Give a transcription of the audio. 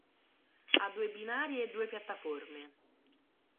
Ha due binari e due piattaforme.